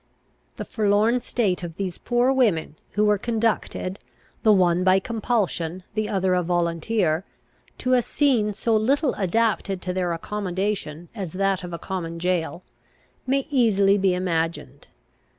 The forlorn state of these poor women, who were conducted, the one by compulsion, the other a volunteer, to a scene so little adapted to their accommodation as that of a common jail, may easily be imagined.